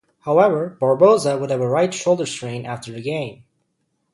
However, Barbosa would have a right shoulder strain after the game.